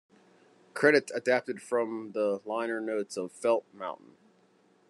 Credits adapted from the liner notes of "Felt Mountain".